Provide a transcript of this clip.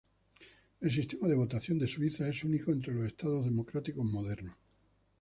El sistema de votación de Suiza es único entre los Estados democráticos modernos.